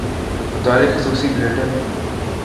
متعلق خصوصی بلیٹن